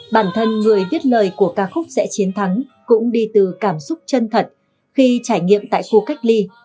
bản thân người viết lời của ca khúc sẽ chiến thắng cũng đi từ cảm xúc chân thật khi trải nghiệm tại khu cách ly